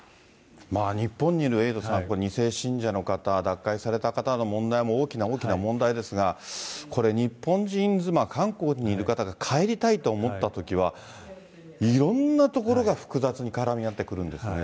日本にいるエイトさん、２世信者の方、脱会された方の問題も大きな大きな問題ですが、日本人妻、韓国にいる方が帰りたいと思ったときは、いろんなところが複雑に絡み合ってくるんですね。